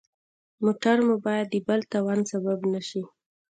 موټر مو باید د بل تاوان سبب نه شي.